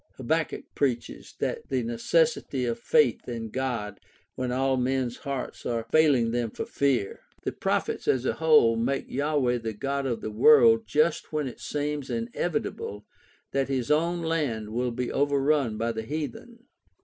Habakkuk preaches the necessity of faith in God when all men's hearts are failing them for fear. The prophets as a whole make Yahweh the God of the world just when it seems inevitable that his own land will be overrun by the heathen.